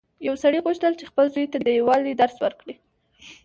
یو سړي غوښتل چې خپل زوی ته د یووالي درس ورکړي.